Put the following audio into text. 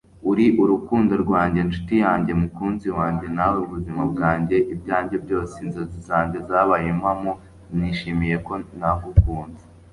uri urukundo rwanjye, nshuti yanjye, mukunzi wanjye, nawe. ubuzima bwanjye, ibyanjye byose, inzozi zanjye zabaye impamo. nishimiye ko nagukunze